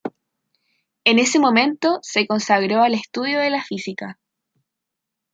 En ese momento, se consagró al estudio de la física.